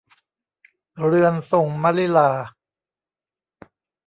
เรือนทรงมลิลา